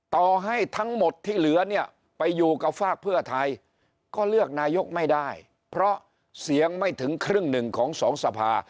ต่อให้ทั้งหมดที่เหลือเนี่ยไปอยู่กับฝากเพื่อไทยก็เลือกนายกไม่ได้เพราะเสียงไม่ถึงครึ่งหนึ่งของสองสภา